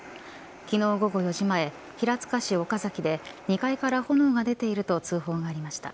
昨日午後４時前、平塚市岡崎で２階から炎が出ていると通報がありました。